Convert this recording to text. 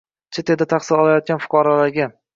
Chet elda tahsil olayotgan fuqarolarga